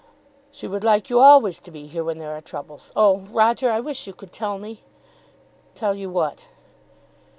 She would like you always to be here when there are troubles. Oh, Roger, I wish you could tell me." "Tell you what?"